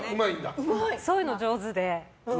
そういうの、上手で。